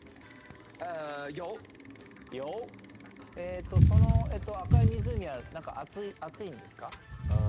えとその赤い湖は何か熱いんですか？